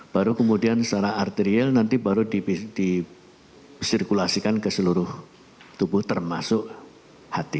baru kemudian secara arterial nanti baru disirkulasikan ke seluruh tubuh termasuk hati